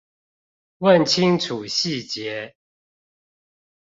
問清楚細節